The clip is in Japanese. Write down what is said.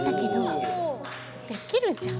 できるじゃん！